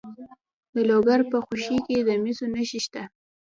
د لوګر په خوشي کې د مسو نښې شته.